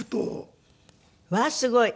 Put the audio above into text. わあーすごい。